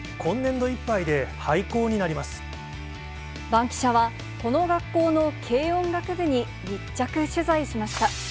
バンキシャは、この学校の軽音楽部に密着取材しました。